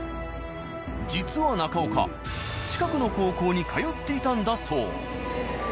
実は中岡近くの高校に通っていたんだそう。